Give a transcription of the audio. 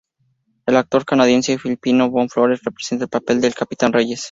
El actor canadiense-filipino Von Flores representó el papel del capitán Reyes.